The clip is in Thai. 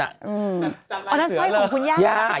อ๋อนั่นสวยของคุณย่า